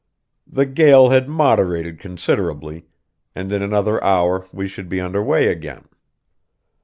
The gale had moderated considerably, and in another hour we should be under way again.